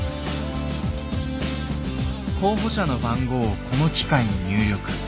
候補者の番号をこの機械に入力。